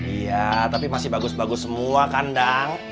iya tapi masih bagus bagus semua kang dadang